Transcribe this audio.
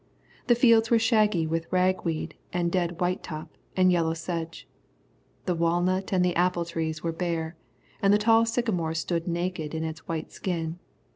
The fields were shaggy with ragweed and dead whitetop and yellow sedge. The walnut and the apple trees were bare, and the tall sycamore stood naked in its white skin.